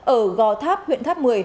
ở gò tháp huyện tháp một mươi